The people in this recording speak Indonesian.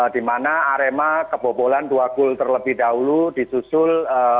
di mana arema kebobolan dua gol terlebih dahulu disusul